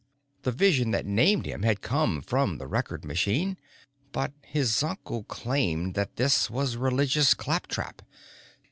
The vision that named him had come from the Record Machine, but his uncle claimed that this was religious claptrap.